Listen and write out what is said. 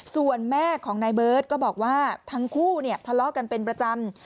ส่วนแม่ของนายเบิร์ตก็บอกว่าทั้งคู่เนี่ยทะเลาะกันเป็นประจำ